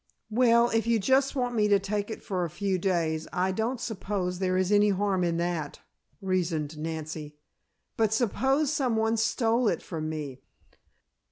"Well, if you just want me to take it for a few days I don't suppose there is any harm in that," reasoned Nancy. "But suppose someone stole it from me?"